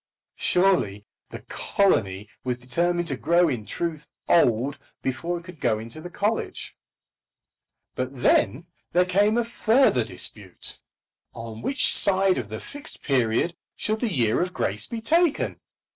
Surely the colony was determined to grow in truth old before it could go into the college. But then there came a further dispute. On which side of the Fixed Period should the year of grace be taken?